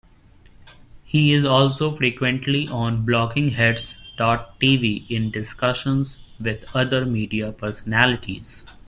He is also frequently on BloggingHeads dot TV in discussions with other media personalities.